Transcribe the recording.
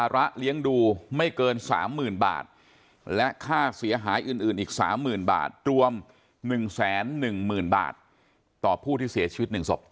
รวม๑๑๐๐๐๐๐บาทต่อผู้ที่เสียชีวิตหนึ่งศพ